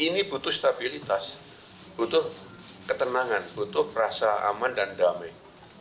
ini butuh stabilitas butuh ketenangan butuh rasa aman dan damai